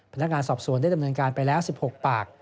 พนักงานสอบสวนได้ดำเนินการไปแล้ว๑๖ปาก